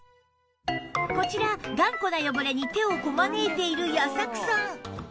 こちら頑固な汚れに手をこまねいている矢作さん